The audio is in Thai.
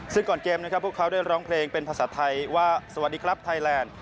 ซึ่งก่อนเกมนะครับพวกเขาได้ร้องเพลงเป็นภาษาไทยว่าสวัสดีครับไทยแลนด์